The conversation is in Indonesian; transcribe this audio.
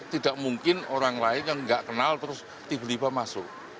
tidak mungkin orang lain yang nggak kenal terus tiba tiba masuk